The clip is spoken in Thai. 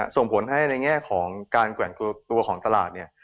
ส่งผลให้ในแง่ของการแกว่งตัวของตลาดเนี่ย